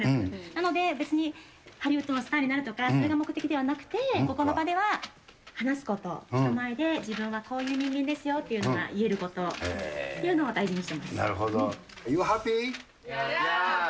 なので、別にハリウッドでスターになるとか、それが目的ではなくて、ここの場では話すこと、人前で自分はこういう人間ですよということが言えることっていうなるほど。